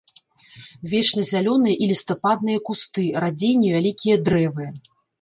Вечназялёныя і лістападныя кусты, радзей невялікія дрэвы.